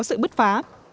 sự bứt phá